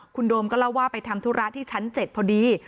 คุณโดมก็เล่าว่าไปทำธุระที่ชั้น๗พอดี